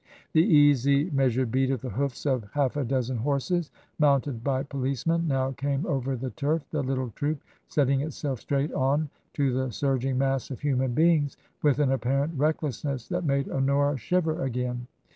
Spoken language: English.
The easy measured beat of the hoofs of half a dozen horses mounted by policemen now came over the turf, the little troop setting itself straight on to the surging mass of human beings with an apparent recklessness that made Honora shiver again.